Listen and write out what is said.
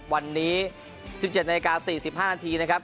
วันนี้๑๗นาฬิกา๔๕นาทีนะครับ